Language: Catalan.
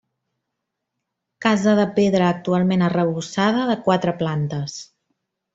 Casa de pedra actualment arrebossada, de quatre plantes.